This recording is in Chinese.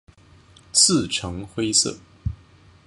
刺呈灰色。